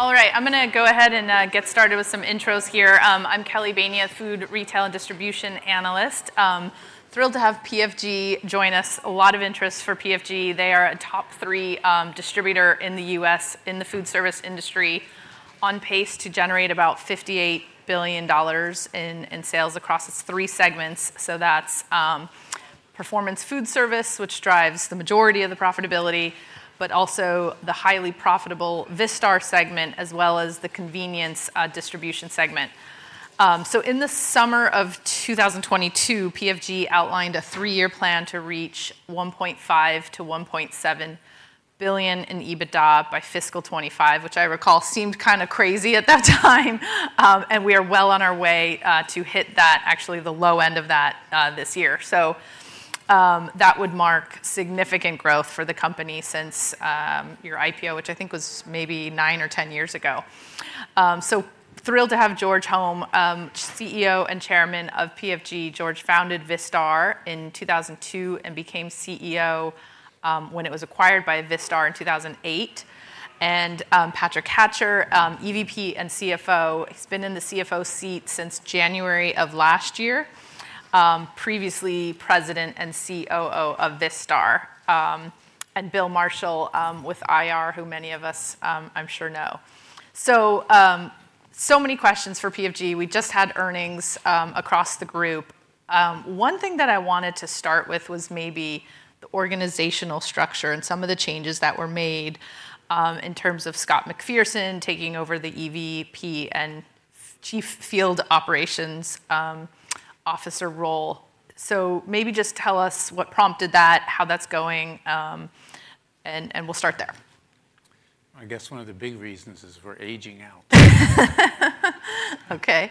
All right, I'm gonna go ahead and get started with some intros here. I'm Kelly Bania, food retail and distribution analyst. Thrilled to have PFG join us. A lot of interest for PFG. They are a top three distributor in the U.S. in the foodservice industry, on pace to generate about $58 billion in sales across its three segments. So that's Performance Foodservice, which drives the majority of the profitability, but also the highly profitable Vistar segment, as well as the convenience distribution segment. So in the summer of 2022, PFG outlined a three-year plan to reach $1.5 billion-$1.7 billion in EBITDA by fiscal 2025, which I recall seemed kind of crazy at that time. And we are well on our way to hit that, actually, the low end of that, this year. So, that would mark significant growth for the company since your IPO, which I think was maybe nine or 10 years ago. So thrilled to have George Holm, CEO and chairman of PFG. George founded Vistar in 2002 and became CEO when it was acquired by Vistar in 2008. And Patrick Hatcher, EVP and CFO. He's been in the CFO seat since January of last year, previously president and COO of Vistar. And Bill Marshall with IR, who many of us, I'm sure know. So, so many questions for PFG. We just had earnings across the group. One thing that I wanted to start with was maybe the organizational structure and some of the changes that were made in terms of Scott McPherson taking over the EVP and Chief Field Operations Officer role. So maybe just tell us what prompted that, how that's going, and we'll start there. I guess one of the big reasons is we're aging out. Okay.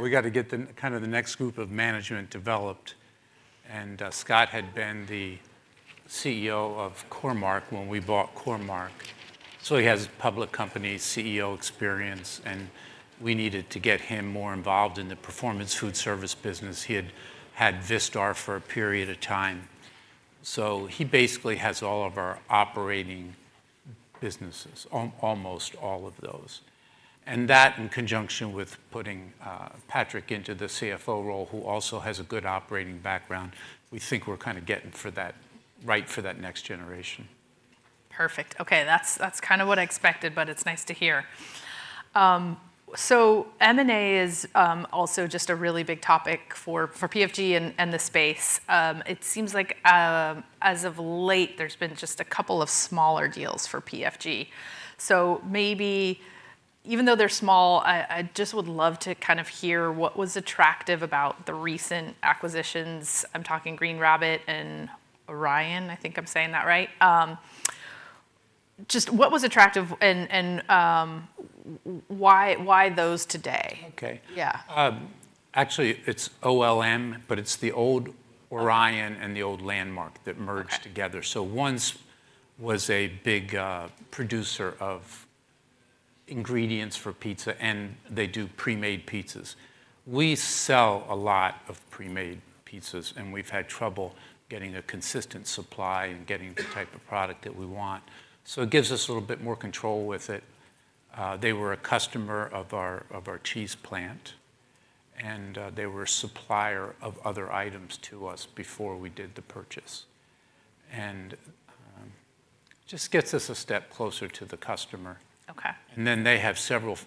We got to get the, kind of the next group of management developed, and Scott had been the CEO of Core-Mark when we bought Core-Mark. So he has public company CEO experience, and we needed to get him more involved in the Performance Foodservice business. He had had Vistar for a period of time, so he basically has all of our operating businesses, almost all of those. And that, in conjunction with putting Patrick into the CFO role, who also has a good operating background, we think we're kind of getting for that, right for that next generation. Perfect. Okay, that's, that's kind of what I expected, but it's nice to hear. So M&A is also just a really big topic for PFG and the space. It seems like as of late, there's been just a couple of smaller deals for PFG. So maybe even though they're small, I just would love to kind of hear what was attractive about the recent acquisitions. I'm talking Green Rabbit and Orion, I think I'm saying that right. Just what was attractive and why those today? Okay. Yeah. Actually, it's OLM, but it's the old Orion and the old Land Mark that merged together. Okay. So OLM was a big producer of ingredients for pizza, and they do pre-made pizzas. We sell a lot of pre-made pizzas, and we've had trouble getting a consistent supply and getting the type of product that we want. So it gives us a little bit more control with it. They were a customer of our cheese plant, and they were a supplier of other items to us before we did the purchase. Just gets us a step closer to the customer. Okay. And then they have several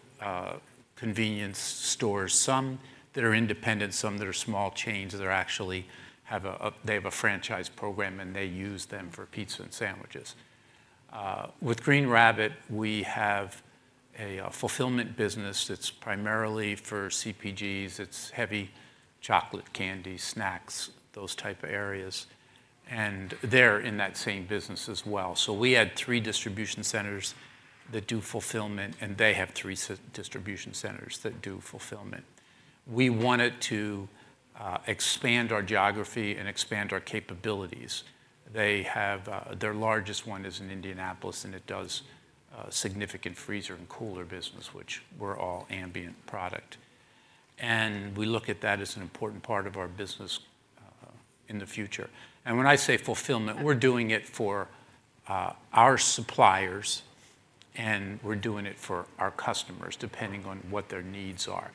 convenience stores, some that are independent, some that are small chains, that actually have a franchise program, and they use them for pizza and sandwiches. With Green Rabbit, we have a fulfillment business that's primarily for CPGs. It's heavy chocolate, candy, snacks, those type of areas, and they're in that same business as well. So we had three distribution centers that do fulfillment, and they have three distribution centers that do fulfillment. We wanted to expand our geography and expand our capabilities. They have their largest one is in Indianapolis, and it does significant freezer and cooler business, which we're all ambient product. And we look at that as an important part of our business in the future. And when I say fulfillment... Okay ...we're doing it for, our suppliers, and we're doing it for our customers, depending on what their needs are.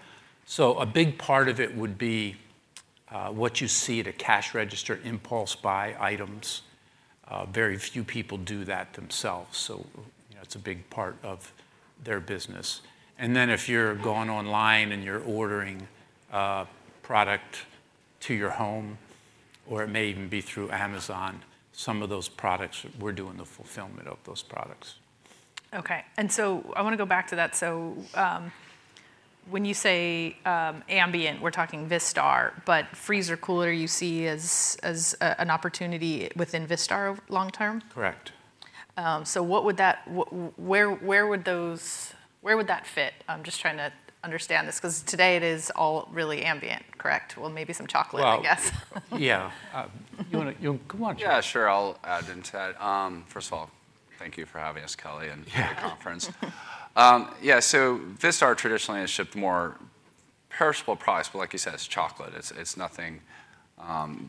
So a big part of it would be, what you see at a cash register, impulse buy items. Very few people do that themselves, so, you know, it's a big part of their business. And then, if you're going online and you're ordering, product to your home, or it may even be through Amazon, some of those products, we're doing the fulfillment of those products. Okay, and so I want to go back to that. So, when you say ambient, we're talking Vistar, but freezer-cooler, you see as an opportunity within Vistar long term? Correct. So what would that... where would that fit? I'm just trying to understand this, because today it is all really ambient, correct? Well, maybe some chocolate, I guess. Well, yeah. You wanna... go on. Yeah, sure, I'll add into that. First of all, thank you for having us, Kelly, and... Yeah ...for the conference. Yeah, so Vistar traditionally has shipped more perishable products, but like you said, it's chocolate, it's nothing.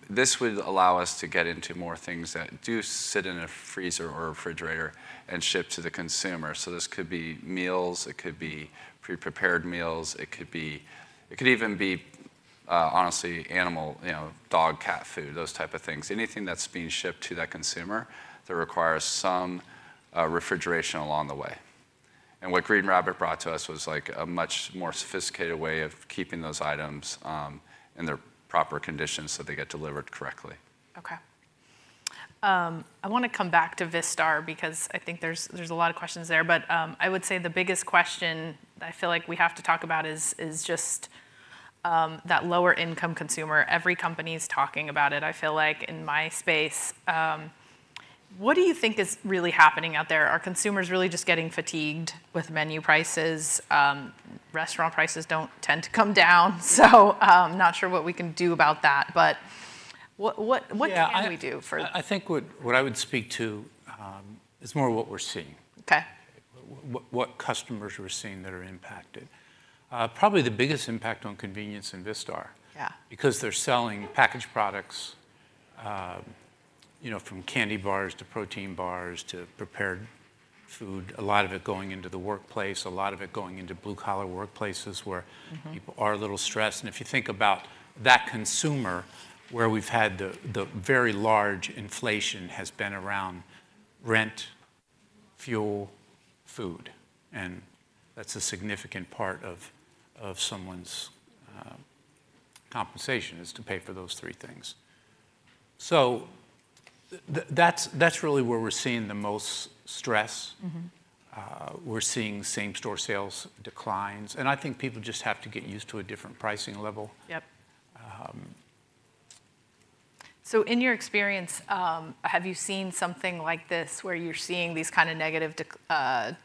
This would allow us to get into more things that do sit in a freezer or a refrigerator and ship to the consumer. So this could be meals, it could be pre-prepared meals, it could be, it could even be, honestly, animal, you know, dog, cat food, those type of things. Anything that's being shipped to that consumer that requires some refrigeration along the way. And what Green Rabbit brought to us was, like, a much more sophisticated way of keeping those items in their proper conditions, so they get delivered correctly. Okay. I want to come back to Vistar because I think there's, there's a lot of questions there. But, I would say the biggest question I feel like we have to talk about is just that lower income consumer. Every company is talking about it, I feel like, in my space. What do you think is really happening out there? Are consumers really just getting fatigued with menu prices? Restaurant prices don't tend to come down, so, not sure what we can do about that, but what... Yeah, I... What can we do for... ...I think what I would speak to is more what we're seeing. Okay. What customers we're seeing that are impacted. Probably the biggest impact on convenience in Vistar... Yeah... because they're selling packaged products, you know, from candy bars to protein bars, to prepared food, a lot of it going into the workplace, a lot of it going into blue-collar workplaces where people are a little stressed. If you think about that consumer, where we've had the very large inflation has been around rent, fuel, food, and that's a significant part of someone's compensation is to pay for those three things. So that's, that's really where we're seeing the most stress. We're seeing same-store sales declines, and I think people just have to get used to a different pricing level. Yep. Um... So in your experience, have you seen something like this, where you're seeing these kind of negative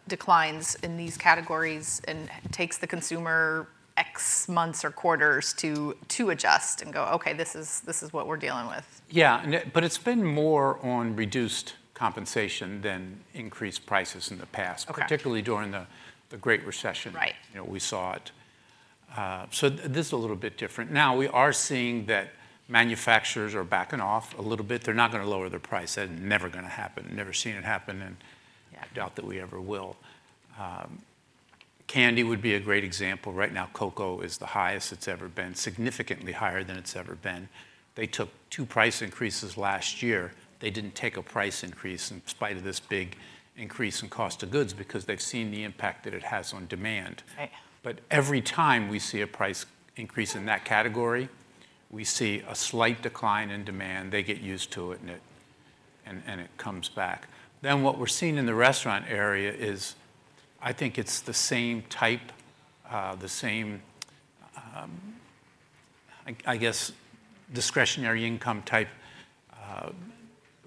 declines in these categories, and it takes the consumer X months or quarters to adjust and go, "Okay, this is what we're dealing with? Yeah, but it's been more on reduced compensation than increased prices in the past- Okay ...particularly during the Great Recession. Right. You know, we saw it. So this is a little bit different. Now, we are seeing that manufacturers are backing off a little bit. They're not going to lower their price, that is never going to happen. Never seen it happen, and... Yeah ...I doubt that we ever will. Candy would be a great example. Right now, cocoa is the highest it's ever been, significantly higher than it's ever been. They took two price increases last year. They didn't take a price increase in spite of this big increase in cost of goods because they've seen the impact that it has on demand. Right. But every time we see a price increase in that category, we see a slight decline in demand. They get used to it, and it comes back. Then, what we're seeing in the restaurant area is, I think it's the same type, the same, I guess, discretionary income type,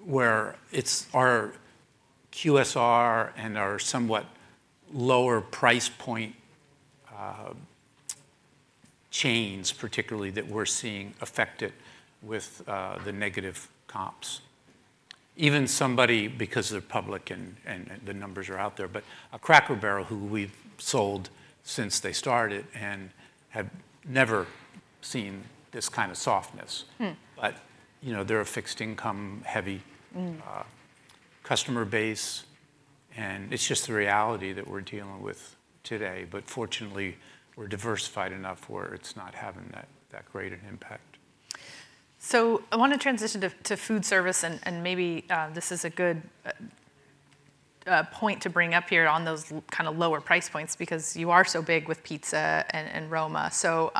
where it's our QSR and our somewhat lower price point chains particularly, that we're seeing affected with the negative comps. Even somebody, because they're public and the numbers are out there, but Cracker Barrel, who we've sold since they started, and have never seen this kind of softness. But, you know, they're a fixed-income, heavy-customer base, and it's just the reality that we're dealing with today. But fortunately, we're diversified enough where it's not having that great an impact. So I want to transition to foodservice, and maybe this is a good point to bring up here on those lower price points, because you are so big with pizza and Roma. So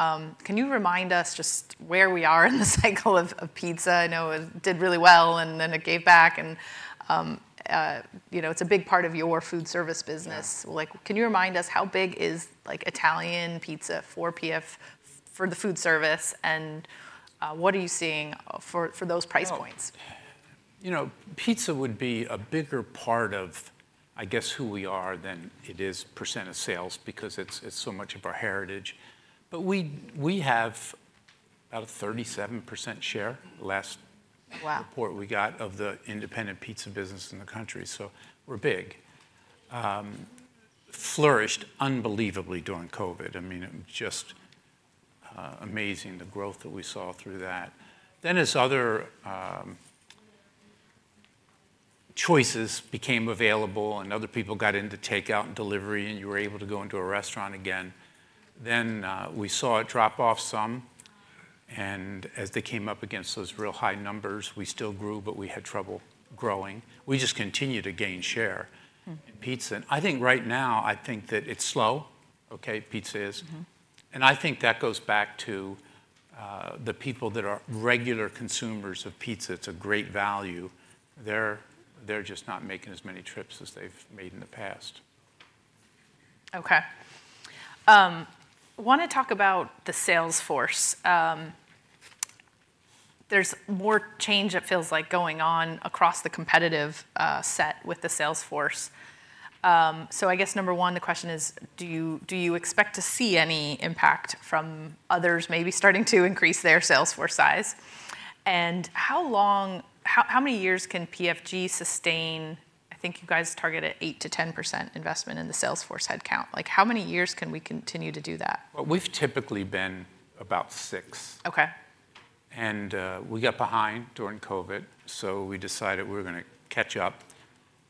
can you remind us just where we are in the cycle of pizza? I know it did really well, and then it gave back and you know, it's a big part of your foodservice business. Yeah. Like, can you remind us how big is, like, Italian pizza for PFG for the foodservice, and what are you seeing for those price points? Well, you know, pizza would be a bigger part of, I guess, who we are than it is percent of sales because it's, it's so much of our heritage. But we, we have about a 37% share last... Wow... report we got of the independent pizza business in the country, so we're big. Flourished unbelievably during COVID. I mean, it was just amazing, the growth that we saw through that. Then, as other choices became available and other people got into takeout and delivery, and you were able to go into a restaurant again, then we saw it drop off some, and as they came up against those real high numbers, we still grew, but we had trouble growing. We just continued to gain share in pizza. I think right now, I think that it's slow, okay, pizza is. I think that goes back to the people that are regular consumers of pizza. It's a great value. They're just not making as many trips as they've made in the past. Okay. I want to talk about the sales force. There's more change it feels like going on across the competitive set with the sales force. So I guess number one, the question is: do you, do you expect to see any impact from others maybe starting to increase their sales force size? And how long—how many years can PFG sustain- I think you guys targeted 8%-10% investment in the sales force headcount. Like, how many years can we continue to do that? Well, we've typically been about six. Okay. We got behind during COVID, so we decided we were gonna catch up.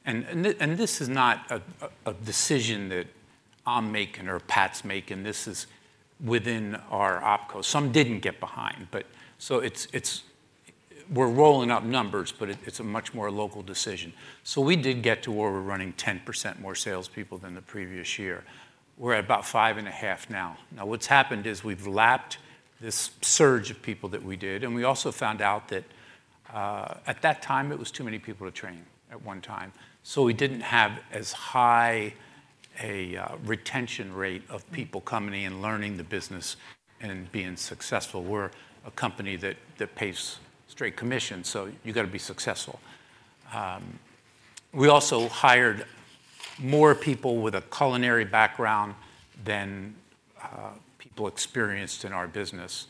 This is not a decision that I'm making or Pat's making, this is within our OpCo. Some didn't get behind, but so it's we're rolling up numbers, but it's a much more local decision. So we did get to where we're running 10% more salespeople than the previous year. We're at about 5.5 now. What's happened is we've lapped this surge of people that we did, and we also found out that at that time, it was too many people to train at one time. So we didn't have as high a retention rate of people coming in and learning the business and being successful. We're a company that pays straight commission, so you've gotta be successful. We also hired more people with a culinary background than people experienced in our business.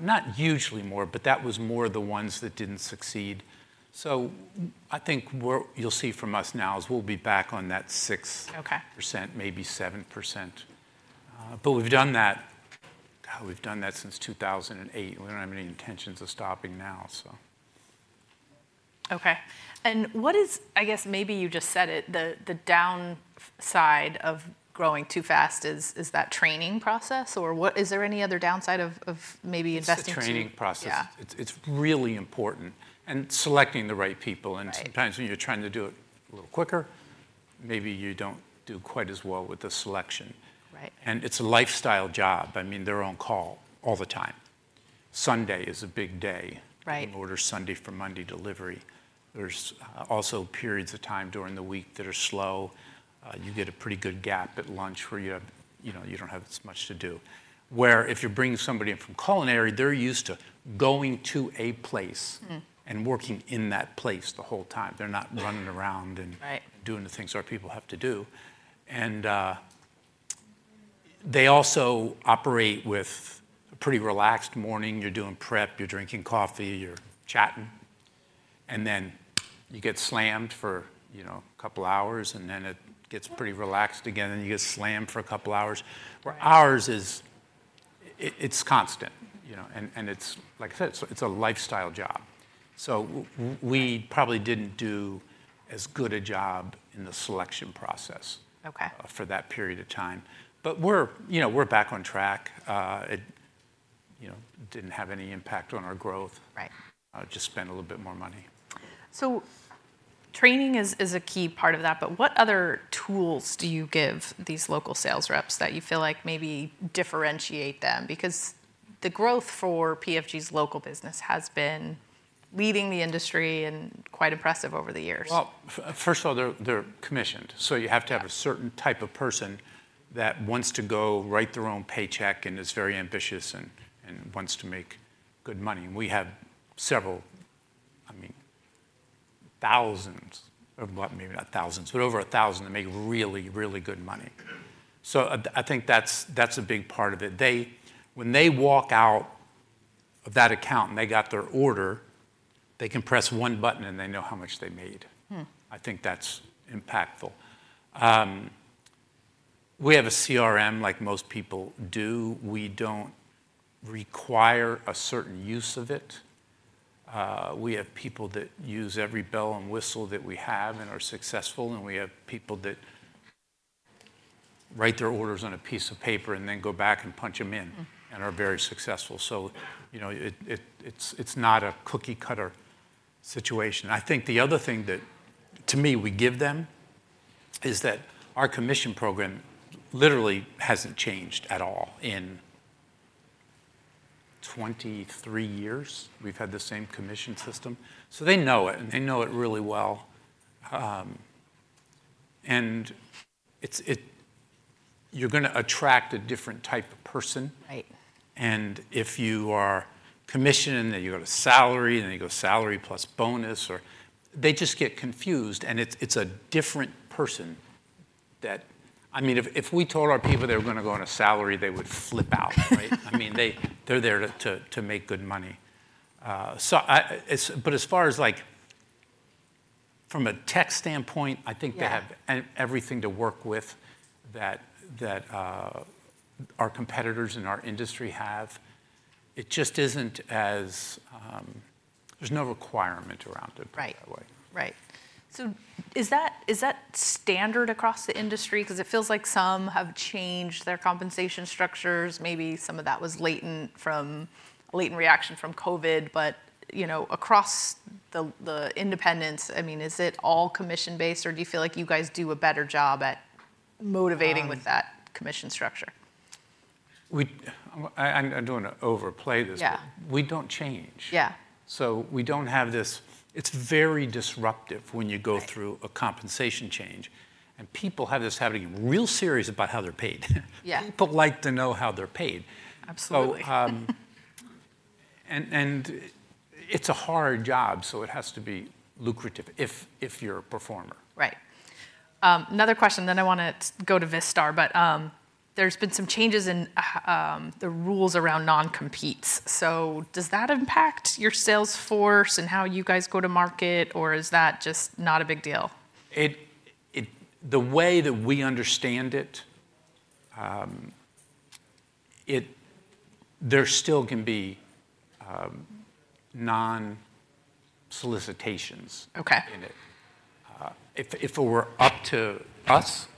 Not usually more, but that was more the ones that didn't succeed. So I think we're - you'll see from us now is we'll be back on that 6... Okay. ...percent, maybe 7%. But we've done that... God, we've done that since 2008, and we don't have any intentions of stopping now, so. Okay. And what is, I guess maybe you just said it, the downside of growing too fast? Is that the training process or what? Is there any other downside of maybe investing to... The training process. Yeah. It's really important, and selecting the right people. Right. Sometimes when you're trying to do it a little quicker, maybe you don't do quite as well with the selection. Right. It's a lifestyle job. I mean, they're on call all the time. Sunday is a big day. Right. You can order Sunday for Monday delivery. There's also periods of time during the week that are slow. You get a pretty good gap at lunch where you know you don't have as much to do. Where if you're bringing somebody in from culinary, they're used to going to a place and working in that place the whole time. They're not running around and... Right ...doing the things our people have to do. They also operate with a pretty relaxed morning. You're doing prep, you're drinking coffee, you're chatting, and then you get slammed for, you know, a couple of hours, and then it gets pretty relaxed again, and you get slammed for a couple of hours. Right. Where ours is, it's constant, you know, and it's, like I said, it's a lifestyle job. So we... Right ...probably didn't do as good a job in the selection process... Okay ..for that period of time. But we're, you know, we're back on track. It, you know, didn't have any impact on our growth. Right. Just spent a little bit more money. So training is a key part of that, but what other tools do you give these local sales reps that you feel like maybe differentiate them? Because the growth for PFG's local business has been leading the industry and quite impressive over the years. Well, first of all, they're commissioned, so you have to have... Yeah ...a certain type of person that wants to go write their own paycheck and is very ambitious and, and wants to make good money. And we have several, I mean, thousands of, maybe not thousands, but over 1,000 that make really, really good money. So I, I think that's, that's a big part of it. They, when they walk out of that account and they got their order, they can press one button, and they know how much they made. I think that's impactful. We have a CRM like most people do. We don't require a certain use of it. We have people that use every bell and whistle that we have and are successful, and we have people that write their orders on a piece of paper and then go back and punch them in and are very successful. So you know, it's not a cookie-cutter situation. I think the other thing that, to me, we give them, is that our commission program literally hasn't changed at all in 23 years. We've had the same commission system. So they know it, and they know it really well. And you're gonna attract a different type of person. Right. And if you are commissioning, then you go to salary, then you go salary plus bonus, or... They just get confused, and it's, it's a different person that-- I mean, if, if we told our people they were gonna go on a salary, they would flip out, right? I mean, they, they're there to, to, to make good money. So I, as - but as far as, like, from a tech standpoint, I think they have... Yeah ...everything to work with that our competitors in our industry have. It just isn't as there's no requirement around it... Right ...that way. Right. So is that, is that standard across the industry? 'Cause it feels like some have changed their compensation structures. Maybe some of that was latent from, latent reaction from COVID, but, you know, across the, the independents, I mean, is it all commission-based, or do you feel like you guys do a better job at motivating... Um... ...with that commission structure? I don't wanna overplay this, but... Yeah ...we don't change. Yeah. So we don't have this, it's very disruptive when you go through... Right ...a compensation change, and people have this habit of getting real serious about how they're paid. Yeah. People like to know how they're paid. Absolutely. It's a hard job, so it has to be lucrative if you're a performer. Right, another question, then I want to go to Vistar. But, there's been some changes in the rules around non-competes. So does that impact your sales force and how you guys go to market, or is that just not a big deal? The way that we understand it, there still can be non-solicitations. Okay In it. If it were up to us,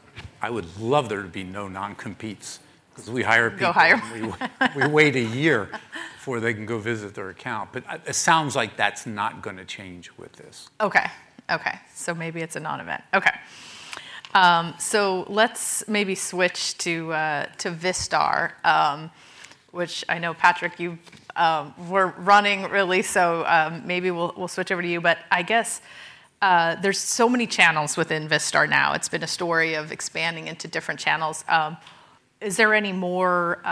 I would love there to be no non-competes, because we hire people... You hire. We wait a year before they can go visit their account. But, it sounds like that's not going to change with this. Okay, so maybe it's a non-event. Okay. So let's maybe switch to, to Vistar, which I know, Patrick, you were running, really, so, maybe we'll, we'll switch over to you. But I guess, there's so many channels within Vistar now. It's been a story of expanding into different channels. Is there any more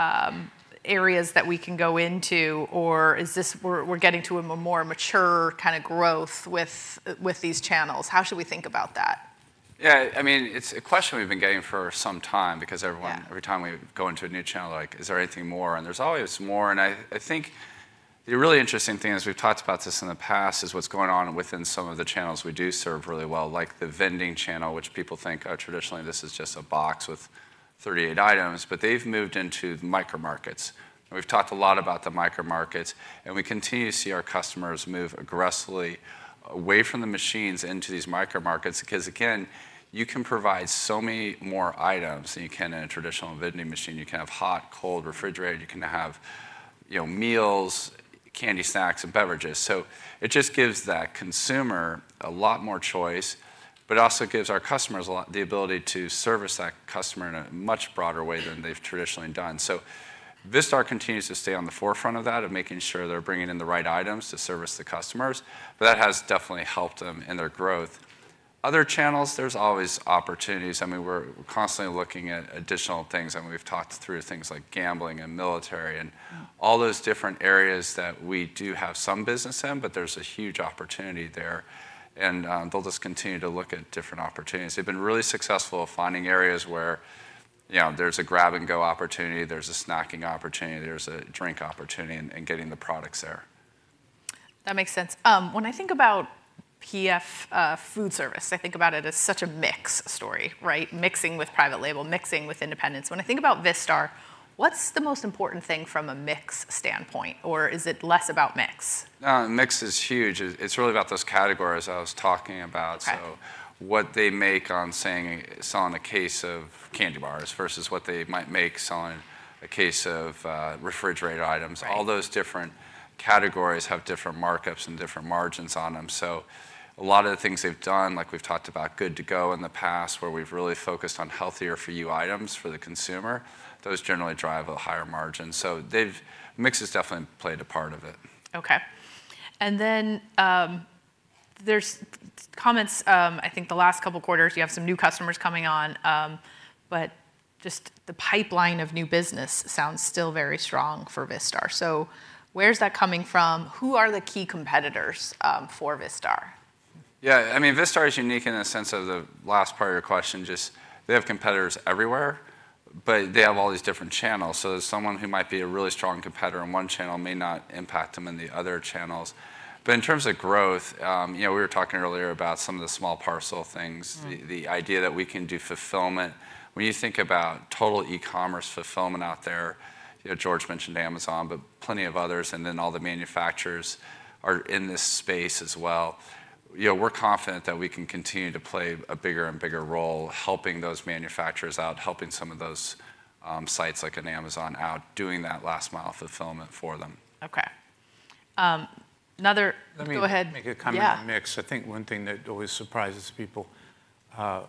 areas that we can go into, or is this we're getting to a more mature kind of growth with these channels? How should we think about that? Yeah, I mean, it's a question we've been getting for some time, because everyone... Yeah ...every time we go into a new channel, like, "Is there anything more?" And there's always more. And I think the really interesting thing is, we've talked about this in the past, is what's going on within some of the channels we do serve really well, like the vending channel, which people think, oh, traditionally, this is just a box with 38 items. But they've moved into micro markets, and we've talked a lot about the micro markets, and we continue to see our customers move aggressively away from the machines into these micro markets. Because, again, you can provide so many more items than you can in a traditional vending machine. You can have hot, cold, refrigerated. You can have, you know, meals, candy, snacks, and beverages. So it just gives that consumer a lot more choice, but also gives our customers a lot, the ability to service that customer in a much broader way than they've traditionally done. So Vistar continues to stay on the forefront of that, of making sure they're bringing in the right items to service the customers, but that has definitely helped them in their growth. Other channels, there's always opportunities. I mean, we're constantly looking at additional things, and we've talked through things like gambling and military and all those different areas that we do have some business in, but there's a huge opportunity there, and they'll just continue to look at different opportunities. They've been really successful at finding areas where, you know, there's a grab-and-go opportunity, there's a snacking opportunity, there's a drink opportunity, and, and getting the products there. That makes sense. When I think about PFG Foodservice, I think about it as such a mix story, right? Mixing with private label, mixing with independents. When I think about Vistar, what's the most important thing from a mix standpoint? Or is it less about mix? No, mix is huge. It's really about those categories I was talking about. Okay. So what they make on, say, selling a case of candy bars versus what they might make selling a case of refrigerated items. Right. All those different categories have different markups and different margins on them. So a lot of the things they've done, like we've talked about Good to Go in the past, where we've really focused on healthier for you items for the consumer, those generally drive a higher margin. So the mix has definitely played a part of it. Okay. And then, there's comments, I think the last couple of quarters, you have some new customers coming on, but just the pipeline of new business sounds still very strong for Vistar. So where's that coming from? Who are the key competitors, for Vistar? Yeah, I mean, Vistar is unique in a sense of the last part of your question, just they have competitors everywhere, but they have all these different channels. So someone who might be a really strong competitor in one channel may not impact them in the other channels. But in terms of growth, you know, we were talking earlier about some of the small parcel things the idea that we can do fulfillment. When you think about total e-commerce fulfillment out there, you know, George mentioned Amazon, but plenty of others, and then all the manufacturers are in this space as well. You know, we're confident that we can continue to play a bigger and bigger role helping those manufacturers out, helping some of those, sites, like an Amazon out, doing that last-mile fulfillment for them. Okay. Let me... Go ahead. Yeah. ...make a kind of a mix. I think one thing that always surprises people, our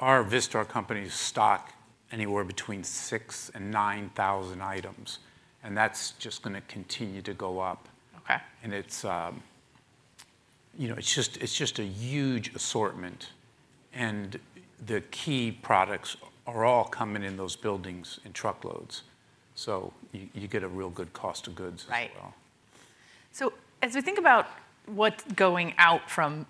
Vistar companies stock anywhere between 6,000 and 9,000 items, and that's just gonna continue to go up. Okay. It's, you know, it's just, it's just a huge assortment, and the key products are all coming in those buildings in truckloads. So you get a real good cost of goods as well. Right. So as we think about what's going out from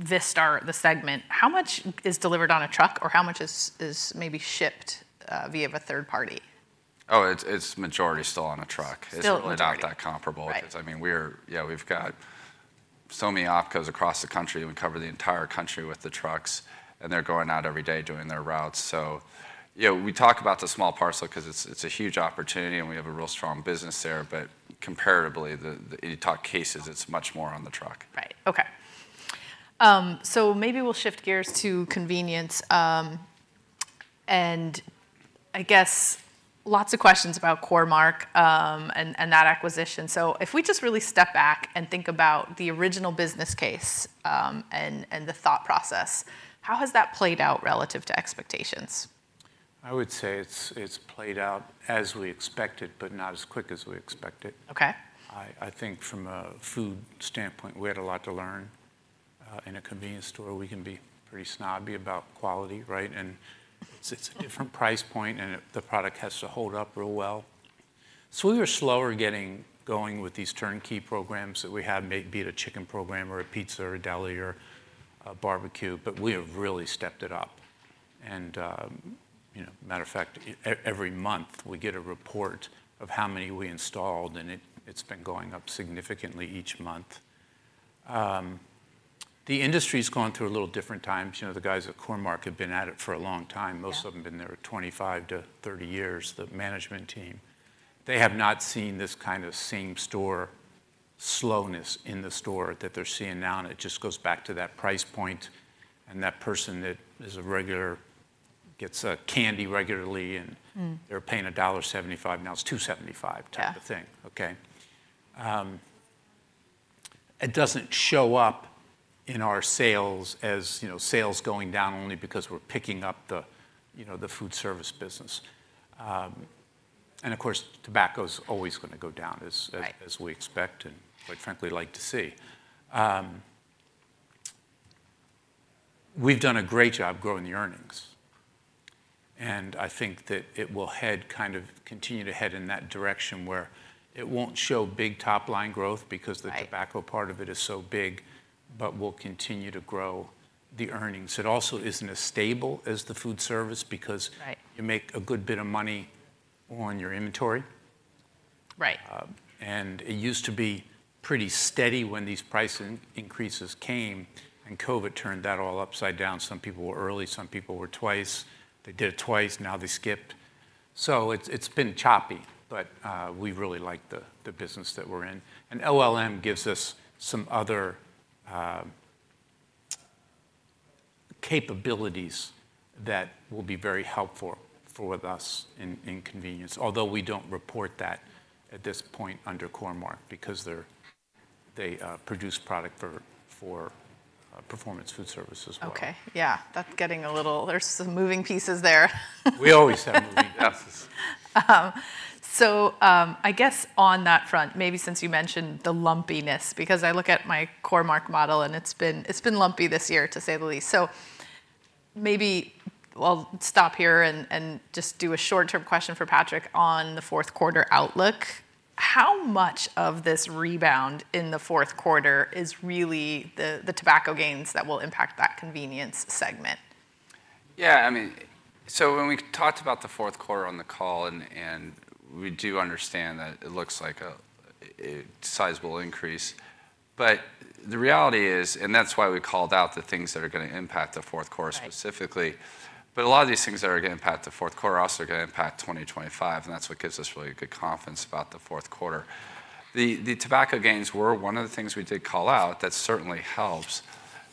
Vistar, the segment, how much is delivered on a truck, or how much is maybe shipped via a third party? Oh, it's majority still on a truck. Still majority. It's not that comparable... Right ...because, I mean, we're, you know, we've got so many OpCos across the country, and we cover the entire country with the trucks, and they're going out every day doing their routes. So, you know, we talk about the small parcel because it's a huge opportunity and we have a real strong business there, but comparatively, the cases you talk, it's much more on the truck. Right. Okay. So maybe we'll shift gears to convenience. And I guess lots of questions about Core-Mark, and that acquisition. So if we just really step back and think about the original business case, and the thought process, how has that played out relative to expectations? I would say it's played out as we expected, but not as quick as we expected. Okay. I think from a food standpoint, we had a lot to learn. In a convenience store, we can be pretty snobby about quality, right? It's a different price point, and the product has to hold up real well. So we were slower getting going with these turnkey programs that we had, maybe it's a chicken program, or a pizza, or a deli, or a barbecue, but we have really stepped it up. And, you know, matter of fact, every month, we get a report of how many we installed, and it's been going up significantly each month. The industry's gone through a little different times. You know, the guys at Core-Mark have been at it for a long time. Yeah. Most of them been there 25-30 years, the management team. They have not seen this kind of same store slowness in the store that they're seeing now, and it just goes back to that price point, and that person that is a regular gets, candy regularly, and they're paying $1.75, now it's $2.75 type of thing. Yeah. Okay? It doesn't show up in our sales as, you know, sales going down only because we're picking up the, you know, the food service business. And of course, tobacco's always gonna go down as... Right ...as we expect and quite frankly, like to see. We've done a great job growing the earnings, and I think that it will head, kind of continue to head in that direction, where it won't show big top-line growth because... Right ...the tobacco part of it is so big, but we'll continue to grow the earnings. It also isn't as stable as the food service because... Right ...you make a good bit of money on your inventory. Right. And it used to be pretty steady when these price increases came, and COVID turned that all upside down. Some people were early, some people were twice. They did it twice, now they skipped. So it's been choppy, but we really like the business that we're in. And OLM gives us some other capabilities that will be very helpful for with us in convenience, although we don't report that at this point under Core-Mark because they produce product for Performance Foodservice as well. Okay. Yeah, that's getting a little... There's some moving pieces there. We always have moving pieces. So, I guess on that front, maybe since you mentioned the lumpiness, because I look at my Core-Mark model, and it's been lumpy this year, to say the least. So maybe I'll stop here and just do a short-term question for Patrick on the fourth quarter outlook. How much of this rebound in the fourth quarter is really the tobacco gains that will impact that convenience segment? Yeah, I mean, so when we talked about the fourth quarter on the call, and we do understand that it looks like a sizable increase. But the reality is, and that's why we called out the things that are gonna impact the fourth quarter... Right... specifically. But a lot of these things that are gonna impact the fourth quarter are also gonna impact 2025, and that's what gives us really good confidence about the fourth quarter. The, the tobacco gains were one of the things we did call out. That certainly helps,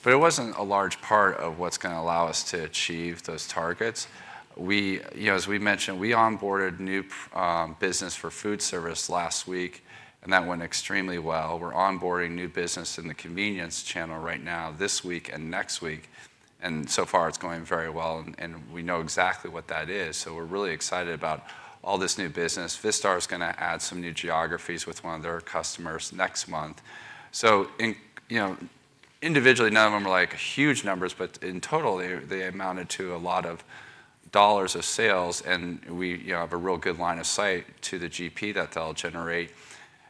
but it wasn't a large part of what's gonna allow us to achieve those targets. We, you know, as we've mentioned, we onboarded new business for food service last week, and that went extremely well. We're onboarding new business in the convenience channel right now, this week and next week, and so far it's going very well, and we know exactly what that is. So we're really excited about all this new business. Vistar is gonna add some new geographies with one of their customers next month. So you know, individually, none of them are, like, huge numbers, but in total, they amounted to a lot of dollars of sales, and we, you know, have a real good line of sight to the GP that they'll generate.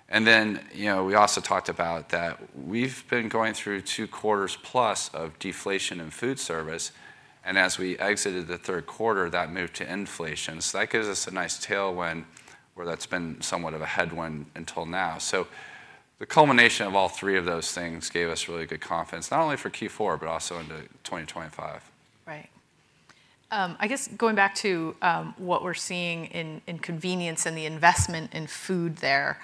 And then, you know, we also talked about that we've been going through two quarters plus of deflation in food service, and as we exited the third quarter, that moved to inflation. So that gives us a nice tailwind, where that's been somewhat of a headwind until now. So the culmination of all three of those things gave us really good confidence, not only for Q4, but also into 2025. Right. I guess going back to what we're seeing in convenience and the investment in food there,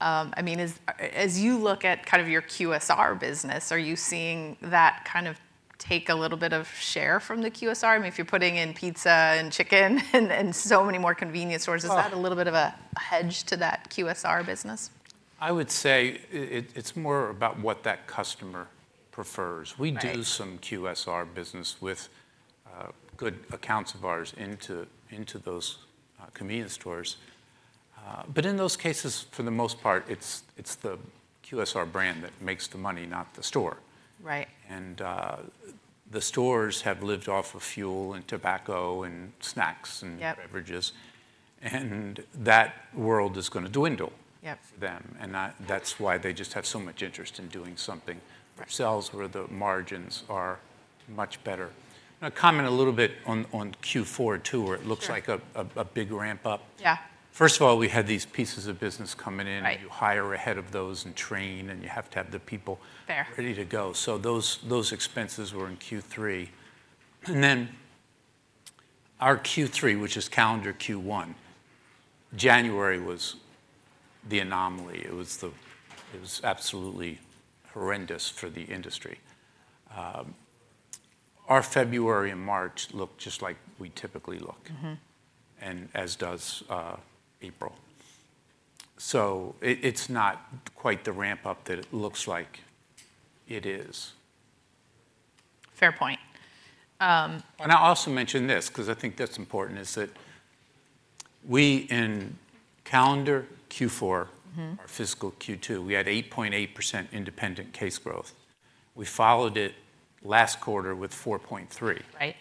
I mean, as you look at kind of your QSR business, are you seeing that kind of take a little bit of share from the QSR? I mean, if you're putting in pizza and chicken and so many more convenience stores... Well... Is that a little bit of a hedge to that QSR business? I would say it, it's more about what that customer prefers. Right. We do some QSR business with good accounts of ours into those convenience stores. But in those cases, for the most part, it's the QSR brand that makes the money, not the store. Right. The stores have lived off of fuel, and tobacco, and snacks, and... Yep... beverages, and that world is gonna dwindle- Yep... for them, and that, that's why they just have so much interest in doing something- Right... themselves, where the margins are much better. And I'll comment a little bit on Q4, too, where... Sure... it looks like a big ramp-up. Yeah. First of all, we had these pieces of business coming in. Right. You hire ahead of those and train, and you have to have the people... There...... ready to go. So those, those expenses were in Q3. And then our Q3, which is calendar Q1, January was the anomaly. It was absolutely horrendous for the industry. Our February and March looked just like we typically look and as does, April. So it, it's not quite the ramp-up that it looks like it is. Fair point. And I'll also mention this, 'cause I think that's important, is that we, in calendar Q4 or fiscal Q2, we had 8.8% independent case growth. We followed it last quarter with 4.3%. Right.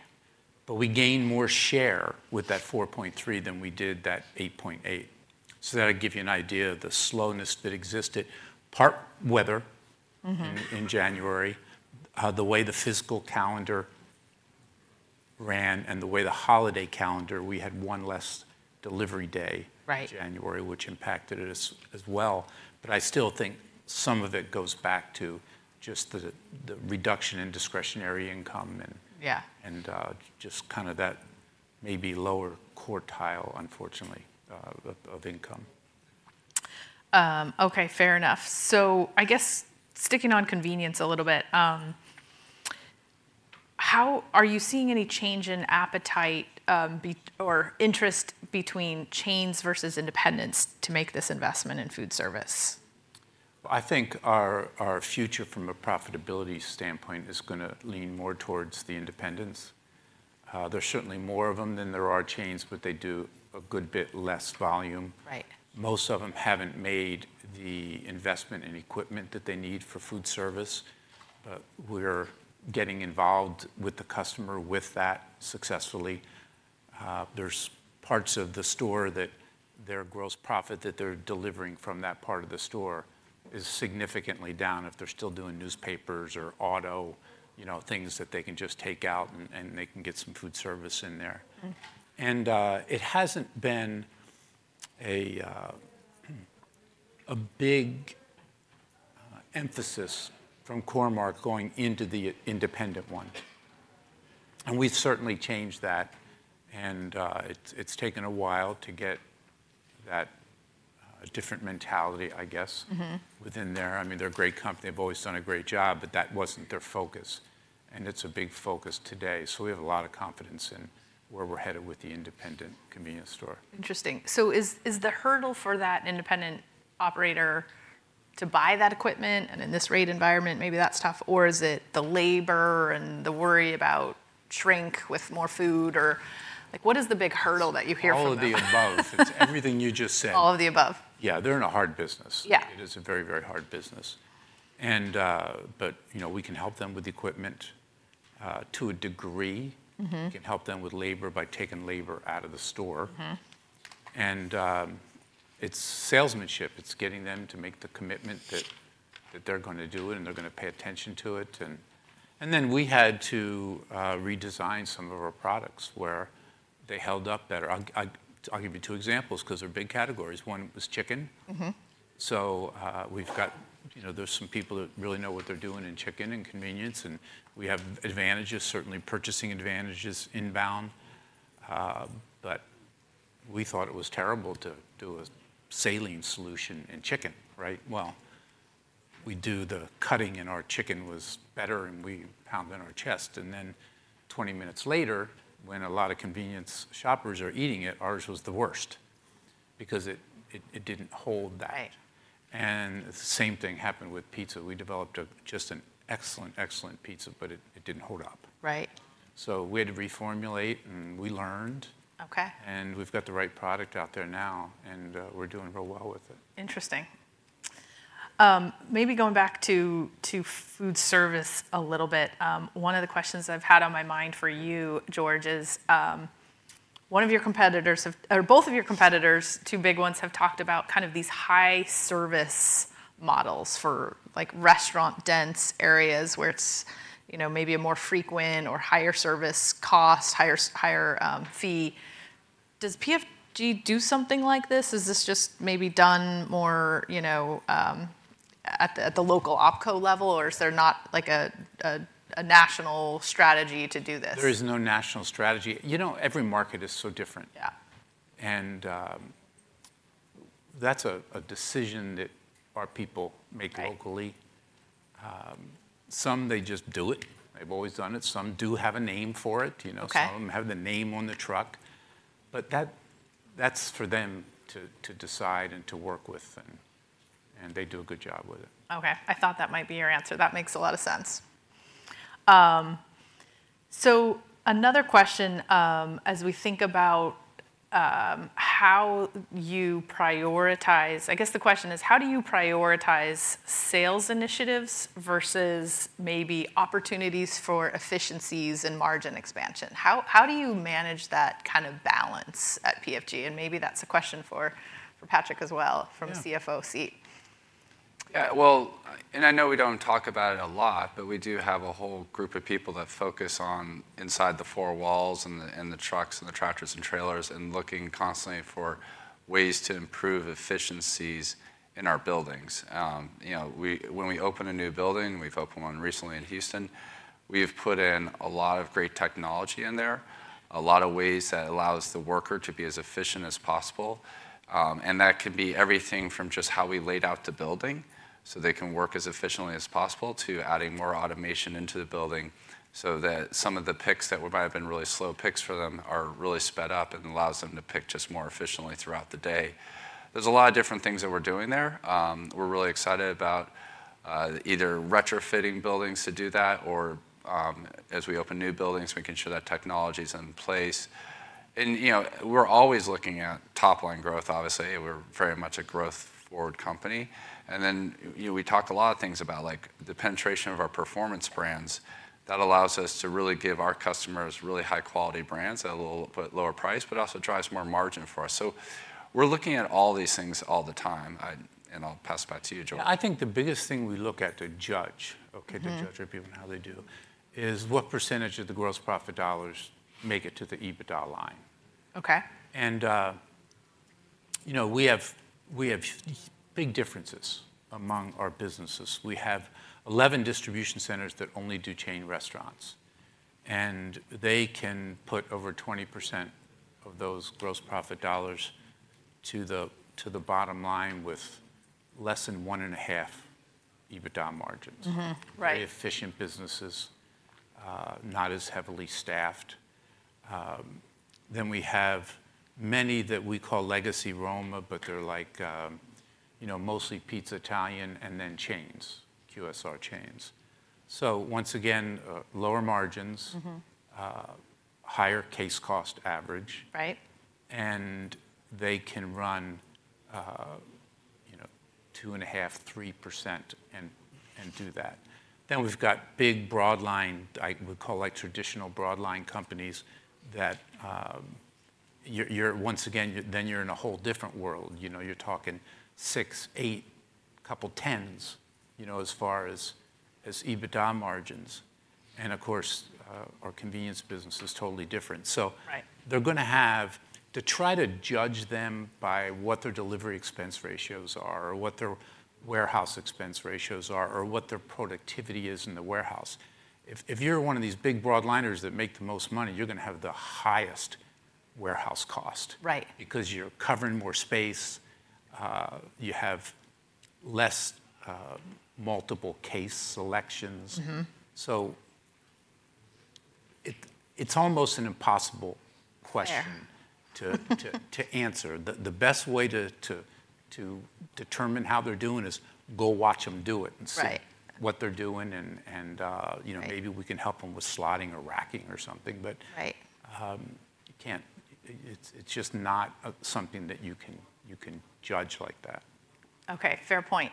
But we gained more share with that 4.3 than we did that 8.8. So that'll give you an idea of the slowness that existed, part weather. In January, the way the physical calendar ran and the way the holiday calendar, we had one less delivery day... Right... in January, which impacted us as well. But I still think some of it goes back to just the reduction in discretionary income and... Yeah... and, just kind of that maybe lower quartile, unfortunately, of income. Okay, fair enough. So I guess sticking on convenience a little bit, how are you seeing any change in appetite, or interest between chains versus independents to make this investment in food service? I think our future from a profitability standpoint is going to lean more towards the independents. There's certainly more of them than there are chains, but they do a good bit less volume. Right. Most of them haven't made the investment in equipment that they need for food service, but we're getting involved with the customer with that successfully. There's parts of the store that their gross profit that they're delivering from that part of the store is significantly down if they're still doing newspapers or auto, you know, things that they can just take out and they can get some food service in there. It hasn't been a big emphasis from Core-Mark going into the independent one. We've certainly changed that, and it's taken a while to get that different mentality, I guess, within there. I mean, they're a great company. They've always done a great job, but that wasn't their focus, and it's a big focus today. So we have a lot of confidence in where we're headed with the independent convenience store. Interesting. So is the hurdle for that independent operator to buy that equipment, and in this rate environment, maybe that's tough, or is it the labor and the worry about shrink with more food? Or like, what is the big hurdle that you hear from them? All of the above. It's everything you just said. All of the above. Yeah, they're in a hard business. Yeah. It is a very, very hard business. But, you know, we can help them with equipment, to a degree. We can help them with labor by taking labor out of the store. And it's salesmanship. It's getting them to make the commitment that they're going to do it, and they're going to pay attention to it. And then we had to redesign some of our products where they held up better. I'll give you two examples because they're big categories. One was chicken. We've got, you know, there's some people that really know what they're doing in chicken and convenience, and we have advantages, certainly purchasing advantages inbound. But we thought it was terrible to do a saline solution in chicken, right? Well, we do the cutting, and our chicken was better, and we pounded on our chest. And then 20 minutes later, when a lot of convenience shoppers are eating it, ours was the worst because it didn't hold that. Right. The same thing happened with pizza. We developed just an excellent, excellent pizza, but it didn't hold up. Right. We had to reformulate, and we learned. Okay. We've got the right product out there now, and we're doing real well with it. Interesting. Maybe going back to food service a little bit, one of the questions I've had on my mind for you, George, is, one of your competitors have or both of your competitors, two big ones, have talked about kind of these high service models for, like, restaurant-dense areas where it's, you know, maybe a more frequent or higher service cost, higher fee. Does PFG do something like this? Is this just maybe done more, you know, at the local opco level, or is there not like a national strategy to do this? There is no national strategy. You know, every market is so different. Yeah. That's a decision that our people make locally. Right. They just do it. They've always done it. Some do have a name for it, you know... Okay... some of them have the name on the truck. But that, that's for them to decide and to work with, and they do a good job with it. Okay. I thought that might be your answer. That makes a lot of sense. So another question, as we think about how you prioritize. I guess the question is: How do you prioritize sales initiatives versus maybe opportunities for efficiencies and margin expansion? How do you manage that kind of balance at PFG? And maybe that's a question for Patrick as well... Yeah... from a CFO seat. Yeah, well, and I know we don't talk about it a lot, but we do have a whole group of people that focus on inside the four walls and the trucks, and the tractors and trailers, and looking constantly for ways to improve efficiencies in our buildings. You know, when we open a new building, we've opened one recently in Houston, we've put in a lot of great technology in there, a lot of ways that allows the worker to be as efficient as possible. And that can be everything from just how we laid out the building, so they can work as efficiently as possible, to adding more automation into the building so that some of the picks that might have been really slow picks for them are really sped up and allows them to pick just more efficiently throughout the day. There's a lot of different things that we're doing there. We're really excited about either retrofitting buildings to do that or, as we open new buildings, we can ensure that technology's in place. And, you know, we're always looking at top line growth, obviously. We're very much a growth forward company, and then, you, you know, we talk a lot of things about, like, the penetration of our performance brands. That allows us to really give our customers really high quality brands at a little bit lower price, but also drives more margin for us. So we're looking at all these things all the time. And I'll pass back to you, George. I think the biggest thing we look at to judge, okay, to judge everyone how they do, is what percentage of the gross profit dollars make it to the EBITDA line. Okay. You know, we have big differences among our businesses. We have 11 distribution centers that only do chain restaurants, and they can put over 20% of those gross profit dollars to the bottom line with less than 1.5 EBITDA margins. Right. Very efficient businesses, not as heavily staffed. Then we have many that we call legacy Roma, but they're like, you know, mostly pizza, Italian, and then chains, QSR chains. So once again, lower margins higher case cost average. Right. And they can run, you know, 2.5%-3%, and do that. Then we've got big broadliners, I would call, like, traditional broadliners companies that, you're... Once again, then you're in a whole different world. You know, you're talking 6, 8, couple tens, you know, as far as EBITDA margins. And of course, our convenience business is totally different. So... Right... they're gonna have to try to judge them by what their delivery expense ratios are, or what their warehouse expense ratios are, or what their productivity is in the warehouse. If you're one of these big broadliners that make the most money, you're gonna have the highest warehouse cost... Right... because you're covering more space, you have less multiple case selections. It's almost an impossible question... Yeah.... to answer. The best way to determine how they're doing is go watch them do it and see... Right... what they're doing, and you know... Right... maybe we can help them with slotting or racking or something, but... Right... you can't. It's just not something that you can judge like that. Okay, fair point.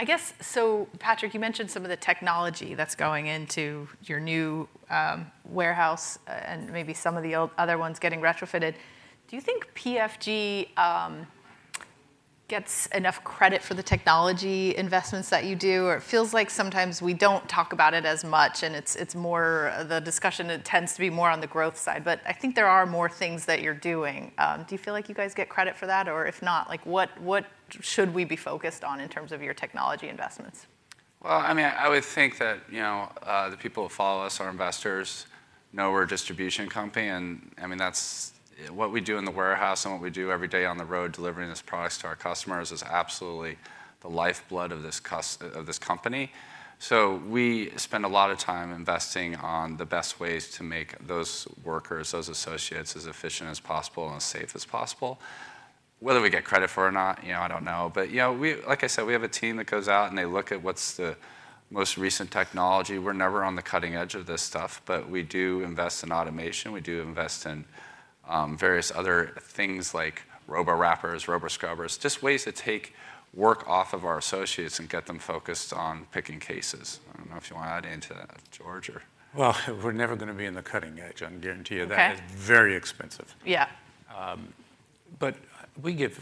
I guess, so Patrick, you mentioned some of the technology that's going into your new, warehouse, and maybe some of the old other ones getting retrofitted. Do you think PFG gets enough credit for the technology investments that you do? Or it feels like sometimes we don't talk about it as much, and it's, it's more, the discussion tends to be more on the growth side, but I think there are more things that you're doing. Do you feel like you guys get credit for that, or if not, like, what, what should we be focused on in terms of your technology investments? Well, I mean, I would think that, you know, the people who follow us, our investors, know we're a distribution company, and I mean, that's what we do in the warehouse and what we do every day on the road delivering this products to our customers is absolutely the lifeblood of this company. So we spend a lot of time investing on the best ways to make those workers, those associates, as efficient as possible and as safe as possible. Whether we get credit for or not, you know, I don't know. But, you know, like I said, we have a team that goes out, and they look at what's the most recent technology. We're never on the cutting edge of this stuff, but we do invest in automation, we do invest in various other things like robo-wrappers, robo-scrubbers, just ways to take work off of our associates and get them focused on picking cases. I don't know if you wanna add into that, George, or? Well, we're never gonna be in the cutting edge, I can guarantee you that. Okay. Very expensive. Yeah.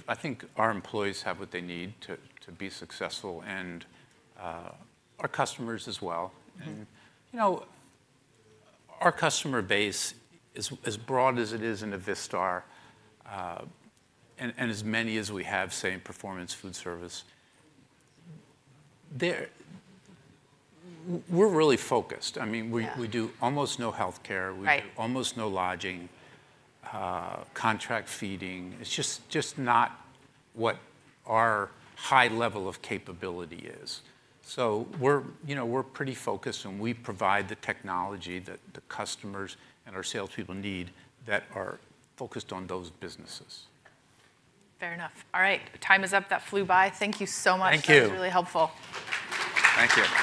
I think our employees have what they need to be successful, and our customers as well. You know, our customer base is as broad as it is in Vistar, and as many as we have, say, in Performance Foodservice, we're really focused. I mean... Yeah... we do almost no healthcare... Right... we do almost no lodging, contract feeding. It's just not what our high level of capability is. So we're, you know, we're pretty focused, and we provide the technology that the customers and our salespeople need that are focused on those businesses. Fair enough. All right, time is up. That flew by. Thank you so much. Thank you. That was really helpful. Thank you.